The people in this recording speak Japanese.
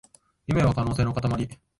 夢は可能性のかたまり